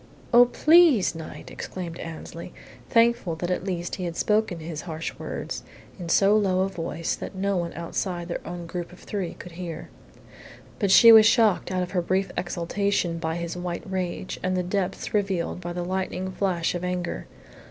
"Oh, please, Knight!" exclaimed Annesley, thankful that at least he had spoken his harsh words in so low a voice that no one outside their own group of three could hear. But she was shocked out of her brief exultation by his white rage and the depths revealed by the lightning flash of anger.